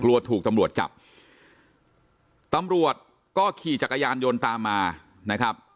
กลัวถูกตำรวจจับตำรวจก็ขี่จักรยานยนต์ตามมานะครับ